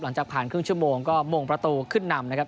หลังจากผ่านครึ่งชั่วโมงก็มงประตูขึ้นนำนะครับ